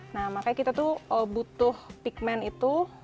nah makanya kita tuh butuh pigment itu